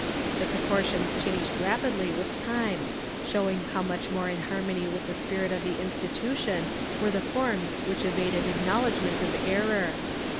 ^ The proportions changed rapidly with time, showing how much more in harmony with the spirit of the institution were the forms which evaded acknowledgement of error.